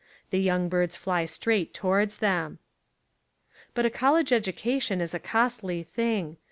The young birds fly straight towards them. But a college education is a costly thing.